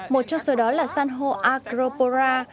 một trong số đó là săn hô acropora